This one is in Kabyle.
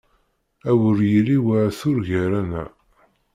A wer yili waɛtur gar-aneɣ!